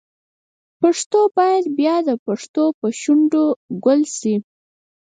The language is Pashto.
پښتو باید بیا د پښتنو په شونډو ګل شي.